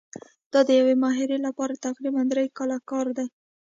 دا د یوې ماهرې لپاره تقریباً درې کاله کار دی.